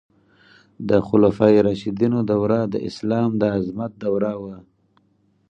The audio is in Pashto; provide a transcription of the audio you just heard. د خلفای راشدینو دوره د اسلام د عظمت دوره وه.